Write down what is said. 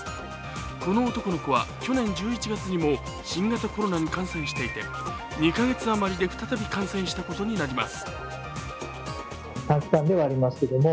この男の子は去年１１月にも新型コロナに感染していて２か月あまりで再び感染したことになります。